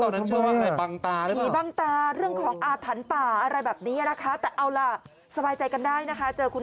เขาย้มบั่งตาเรื่องของอาถรรป่าบ้าง